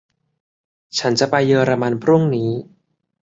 ฉันจะไปเยอรมันพรุ่งนี้